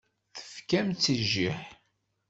Tefkam-tt i jjiḥ.